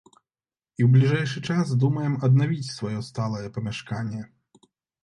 І ў бліжэйшы час думаем аднавіць сваё сталае памяшканне.